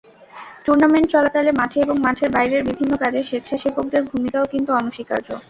Tournament চলাকালে মাঠে এবং মাঠের বাইরের বিভিন্ন কাজে স্বেচ্ছাসেবকদের ভূমিকাও কিন্তু অনস্বীকার্য।